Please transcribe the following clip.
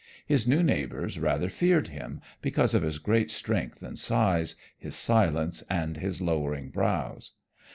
His new neighbors rather feared him because of his great strength and size, his silence and his lowering brows.